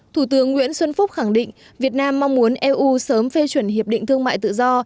thủ tướng nguyễn xuân phúc khẳng định việt nam mong muốn eu sớm phê chuẩn hiệp định thương mại tự do